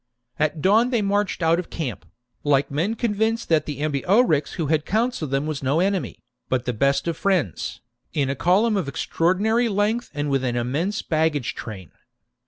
At dawn they marched out of camp. The brigade leaves the like men convinced that the Ambiorix who had camp. counselled them was no enemy, but the best of friends,^ in a column of extraordinary length and with an immense baggage train.